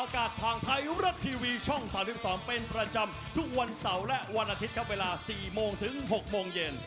ไทยรัฐทีวีช่อง๓๒เป็นประจำทุกวันเสาร์และวันอาทิตย์ครับเวลา๔โมงถึง๖โมงเย็น